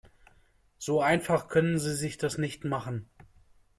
So einfach können Sie sich das nicht machen.